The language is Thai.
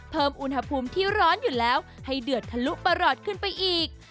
เพิ่มอุณหภูมิที่ร้อนอยู่แล้วให้เดือดทะลุประหลอดขึ้นไปอีก